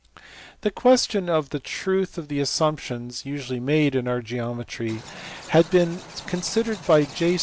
The question of the truth of the assumptions usually made in our geometry had been considered by J.